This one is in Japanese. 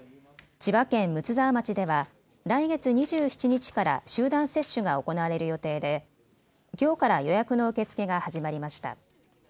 千葉県睦沢町では来月２７日から集団接種が行われる予定できょうから予約の受け付けが始まりました。